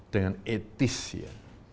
dengan etis ya